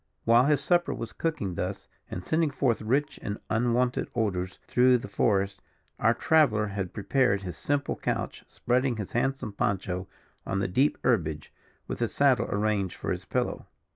While his supper was cooking thus, and sending forth rich and unwonted odours through the forest, our traveller had prepared his simple couch, spreading his handsome poncho on the deep herbage, with his saddle arranged for his pillow.